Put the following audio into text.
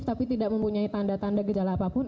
tapi tidak mempunyai tanda tanda gejala apapun